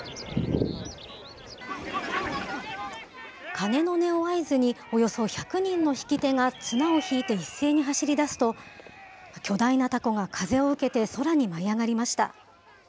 鐘の音を合図に、およそ１００人の引き手が綱を引いて一斉に走り出すと、巨大なたこが風を受けて空に舞い上がりました。